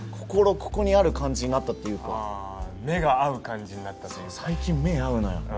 ここにある感じになったっていうか目が合う感じになったっていうかそう最近目合うのよ